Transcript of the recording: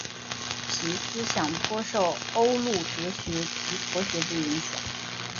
其思想颇受欧陆哲学及佛学之影响。